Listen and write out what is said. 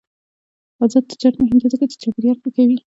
آزاد تجارت مهم دی ځکه چې چاپیریال ښه کوي.